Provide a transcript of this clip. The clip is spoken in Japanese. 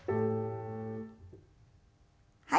はい。